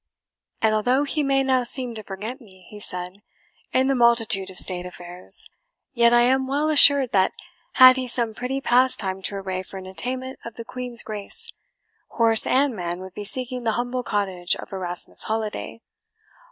"And although he may now seem to forget me," he said, "in the multitude of state affairs, yet I am well assured that, had he some pretty pastime to array for entertainment of the Queen's Grace, horse and man would be seeking the humble cottage of Erasmus Holiday.